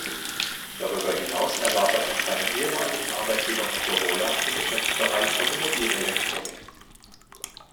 Darüber hinaus erwarb er von seinem ehemaligen Arbeitgeber Motorola den Geschäftsbereich Automobilelektronik.